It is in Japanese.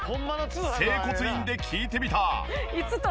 整骨院で聞いてみた。